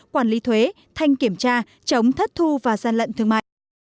quản lý thuế thanh kiểm tra chống thất thu và gian lận thương mại